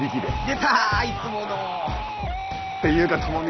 出たいつもの。っていうか朋美ちゃん